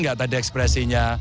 gak tadi ekspresinya